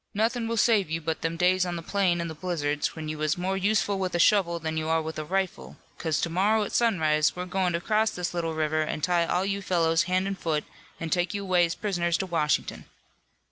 Nothin' will save you but them days on the plain in the blizzards when you was more useful with a shovel than you are with a rifle, 'cause to morrow at sunrise we're goin' to cross this little river and tie all you fellows hand an' foot an' take you away as prisoners to Washington.'